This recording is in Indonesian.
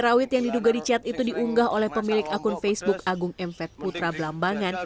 rawit yang diduga dicat itu diunggah oleh pemilik akun facebook agung emf putra belambangan